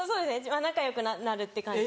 まぁ仲良くなるって感じ。